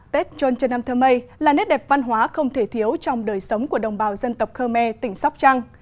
tết chon chon nam thơ mây là nét đẹp văn hóa không thể thiếu trong đời sống của đồng bào dân tộc khmer tỉnh sóc trăng